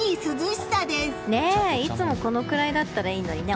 いつもこのくらいだったらいいのにね。